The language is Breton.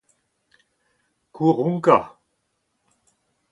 kouronkañ